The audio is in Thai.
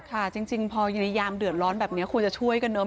ค่ะจริงพออยู่ในยามเดือดร้อนแบบนี้ควรจะช่วยกันเนอะ